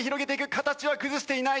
形は崩していない。